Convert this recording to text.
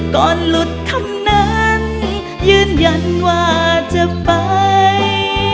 ก่อนหลุดคำนั้นยืนยันว่าจะไป